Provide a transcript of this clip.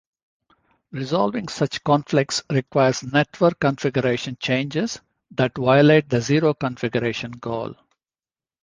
Resolving such conflicts requires network-configuration changes that violate the zero-configuration goal.